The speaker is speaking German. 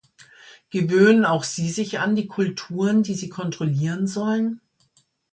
Gewöhnen auch sie sich an die Kulturen, die sie kontrollieren sollen?